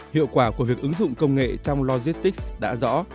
hiệu quả của việc ứng dụng công nghệ trong logistics đã rõ